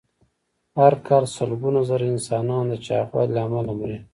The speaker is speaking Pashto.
هر کال سلګونه زره انسانان د چاغوالي له امله مري.